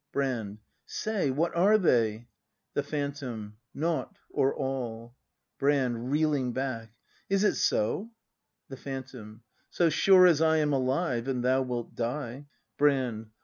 Brand. Say, what are they? The Phantom. Nought or all. Brand. [Reeling hackJ\ Is it so? The Ph^vntom. So sure as I Am alive, and thou wilt die. Brand.